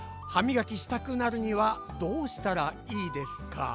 はみがきしたくなるにはどうしたらいいですか？」。